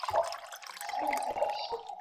বিনয় তাহাকে সহজে বরখাস্ত করিতে পারিল না।